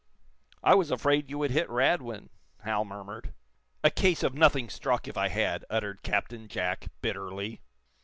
"I was afraid you would hit Radwin," Hal murmured. "A case of nothing struck, if I had!" uttered Captain Jack, bitterly.